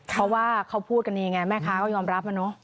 เพราะว่าเขาพูดกันดีไงแม่ค้าก็ยอมรับนะเนอะ